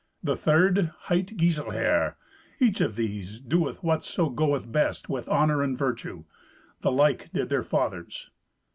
The third hight Giselher; each of these doeth whatso goeth best with honour and virtue. The like did their fathers."